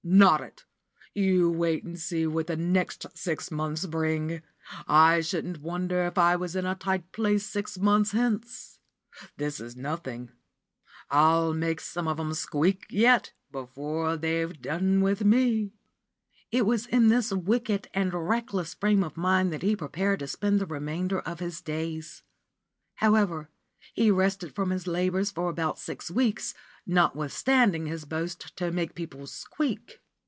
"Not it! You wait and see what the next six months bring! I shouldn't wonder if I was in a tight place six months hence. This is nothing. I'll make some of 'em squeak yet before they've done with me." It was in this wicked and reckless frame of mind that he prepared to spend the remainder of his days. However, he rested from his labours for about six weeks, notwithstanding his boast to make people "squeak."